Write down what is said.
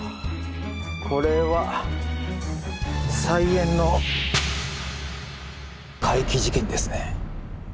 これは菜園の怪奇事件ですね。